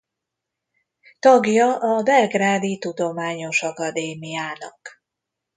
Tagja a Belgrádi Tudományos Akadémiának.